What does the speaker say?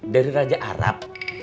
dari raja arab